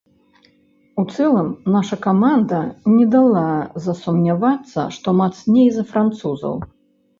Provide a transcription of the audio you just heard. У цэлым, наша каманда не дала засумнявацца, што мацней за французаў.